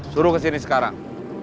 suruh kesini sekarang